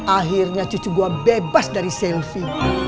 akhirnya cucu gue bebas dari selfie